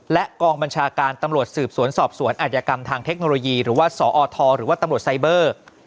และกองบัญชาการตำรวจสืบสวนสอบสวนอาจยกรรมทางเทคโนโลยีหรือว่าสอทหรือว่าตำรวจไซเบอร์